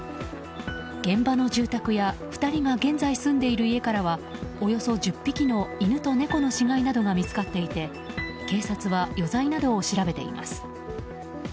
現場の住宅や２人が現在住んでいる家からはおよそ１０匹の、犬と猫の死骸などが見つかっていて警察は余罪などを調べています。